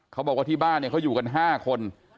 เขาบอกว่าที่บ้านเนี่ยเขาอยู่กัน๕คน